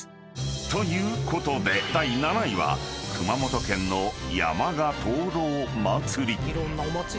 ［ということで第７位は熊本県の山鹿灯籠まつり］